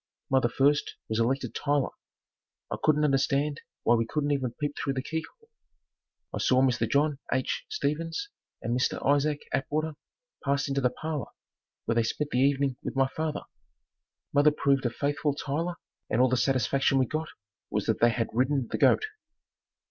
Mother first was elected Tyler. I couldn't understand why we couldn't even peep through the key hole. I saw Mr. John H. Stevens and Mr. Isaac Atwater pass into the parlor where they spent the evening with my father. Mother proved a faithful Tyler and all the satisfaction we got was that they had "Ridden the goat."